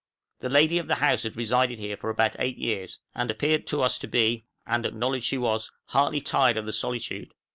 The lady of the house had resided here for about eight years, and appeared to us to be, and acknowledged she was, heartily tired of the solitude.